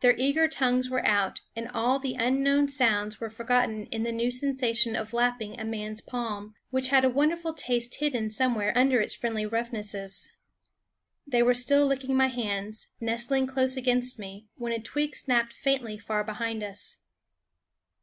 Their eager tongues were out, and all the unknown sounds were forgot ten in the new sensation of lapping a man's palm, with a wonderful taste hidden some where under its friendly roughnesses. They were still licking my hands, nestling close against me, when a twig snapped faintly far behind us.